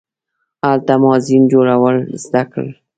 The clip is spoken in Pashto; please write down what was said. هلته ما زین جوړول زده کړل.